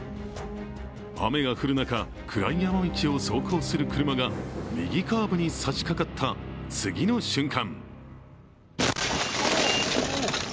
雨が降る中、くらい山道を走行する車が右カーブに差しかかった次の瞬間